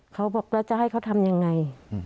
เขาบอกว่าจะให้เขาทำยังไงอ๋อ